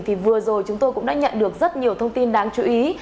thì vừa rồi chúng tôi cũng đã nhận được rất nhiều thông tin đáng chú ý